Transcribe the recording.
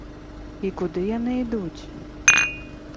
І куды яны ідуць?